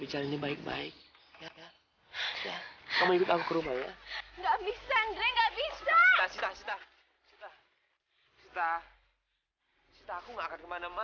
sita kamu belum bilang sama aku